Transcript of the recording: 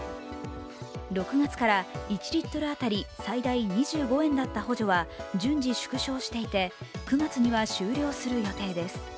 ６月から１リットル当たり最大２５円だった補助は順次縮小していて９月には終了する予定です。